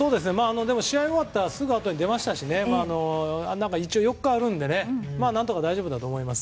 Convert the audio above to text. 試合終わったらすぐ出ましたし一応、４日あるので何とか大丈夫だと思います。